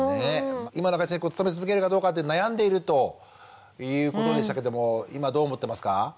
今の会社に勤め続けるかどうかって悩んでいるということでしたけども今どう思ってますか？